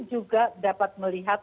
juga dapat melihat